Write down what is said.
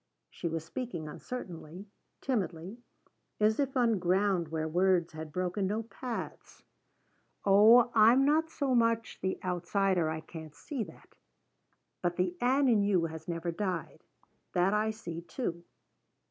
She was speaking uncertainly, timidly, as if on ground where words had broken no paths. "Oh, I'm not so much the outsider I can't see that. But the Ann in you has never died. That I see, too.